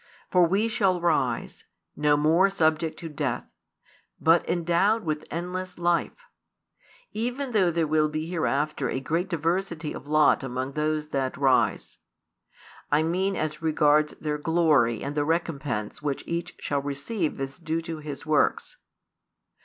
For we shall rise, no more subject to death, but endowed with endless life; even though there will be hereafter a great diversity of lot among those that rise I mean as regards their glory and the recompence which each shall receive as due to his works.